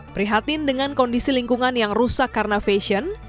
prihatin dengan kondisi lingkungan yang rusak karena fashion